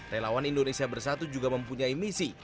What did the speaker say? relawan indonesia bersatu juga mempunyai misi